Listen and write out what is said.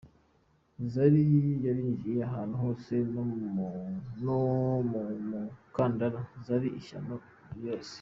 Zari zarinjiye ahantu hose no mu mukandara zari ishyano ryose.